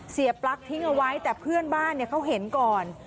ปลั๊กทิ้งเอาไว้แต่เพื่อนบ้านเขาเห็นก่อน